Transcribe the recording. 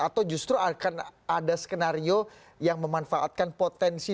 atau justru akan ada skenario yang memanfaatkan potensi